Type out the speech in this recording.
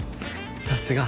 さすが。